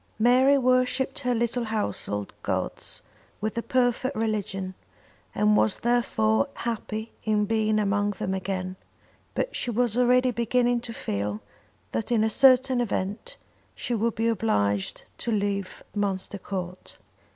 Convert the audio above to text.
Mary worshipped her little household gods with a perfect religion, and was therefore happy in being among them again; but she was already beginning to feel that in a certain event she would be obliged to leave Munster Court.